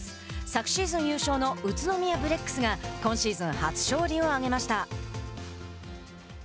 昨シーズン優勝の宇都宮ブレックスが今シーズン初勝利を挙げました。